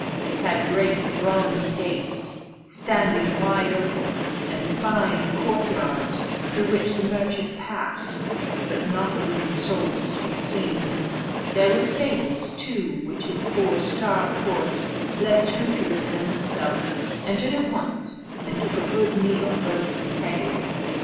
It had great bronze gates, standing wide open, and fine court yards, through which the merchant passed; but not a living soul was to be seen. There were stables too, which his poor, starved horse, less scrupulous than himself, entered at once, and took a good meal of oats and hay.